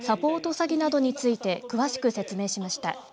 詐欺などについて詳しく説明しました。